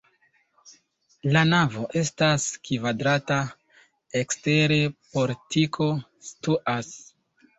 La navo estas kvadrata, ekstere portiko situas.